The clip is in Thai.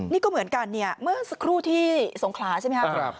นี่ก็เหมือนกันเนี่ยเมื่อสักครู่ที่สงขลาใช่ไหมครับ